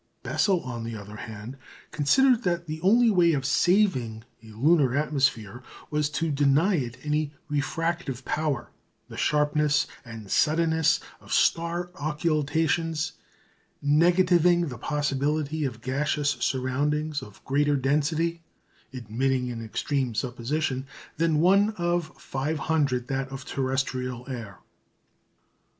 Bessel, on the other hand, considered that the only way of "saving" a lunar atmosphere was to deny it any refractive power, the sharpness and suddenness of star occultations negativing the possibility of gaseous surroundings of greater density (admitting an extreme supposition) than 1/500 that of terrestrial air.